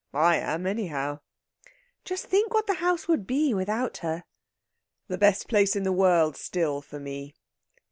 "I am, anyhow!" "Just think what the house would be without her!" "The best place in the world still for me."